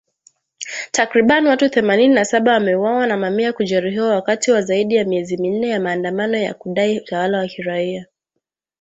Takribani watu themanini na saba wameuawa na mamia kujeruhiwa wakati wa zaidi ya miezi minne ya maandamano ya kudai utawala wa kiraia